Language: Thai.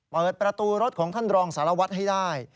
เปิดประตูรถของท่านรองสารวัตรให้ได้